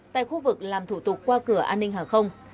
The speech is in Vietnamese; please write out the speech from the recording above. tại khu vực làm thủ tục qua cửa an ninh hàng không